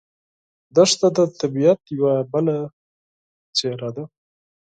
دښته د طبیعت یوه بله څېره ده.